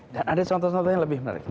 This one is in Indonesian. dan ada contoh contoh yang lebih menarik